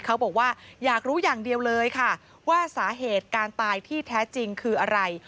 เขาบอกว่าอยากรู้อย่างเดียวเลยค่ะว่าสาเหตุการตายที่แท้จริงคืออะไร